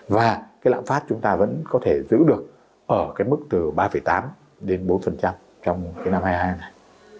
và lãng phát chúng ta vẫn có thể giữ được ở mức ba tám bốn trong năm hai nghìn hai mươi hai này